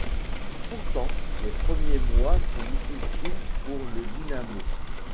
Pourtant, les premiers mois sont difficiles pour le Dynamo.